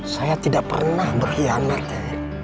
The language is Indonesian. saya tidak pernah berkhianat ya